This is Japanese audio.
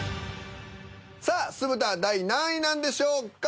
さあ酢豚は第何位なんでしょうか？